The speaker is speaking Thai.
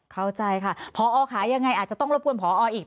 เข้าใจค่ะพอค่ะยังไงอาจจะต้องรบกวนพออีก